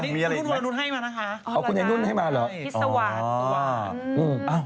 ภิกเบิร์น